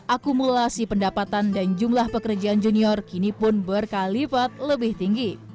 akumulasi pendapatan dan jumlah pekerjaan junior kini pun berkalipat lebih tinggi